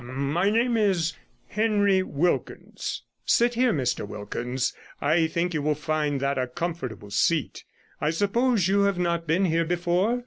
My name is Henry Wilkins.' 'Sit here, Mr Wilkins. I think you will find that a comfortable seat. I suppose you have not been here before?